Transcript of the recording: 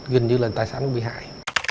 gần như là tài sản bị hại